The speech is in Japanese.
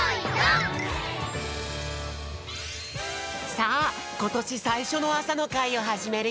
さあことしさいしょのあさのかいをはじめるよ！